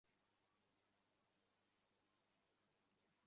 Catherine, তিন ঘন্টা হয়ে গেছে।